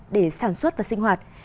để sản xuất và sinh hoạt